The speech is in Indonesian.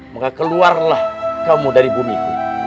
maka keluarlah kamu dari bumiku